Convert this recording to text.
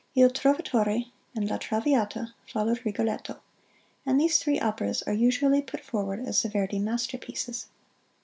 "Il Trovatore" and "La Traviata" followed "Rigoletto," and these three operas are usually put forward as the Verdi masterpieces.